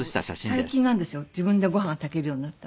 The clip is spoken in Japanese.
自分でご飯を炊けるようになったのは。